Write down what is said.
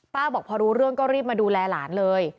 บอกพอรู้เรื่องก็รีบมาดูแลหลานเลย